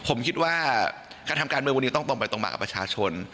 ผมคิดว่าการทำการเมืองวันนี้ต้องตรงไปตรงมากับประชาชน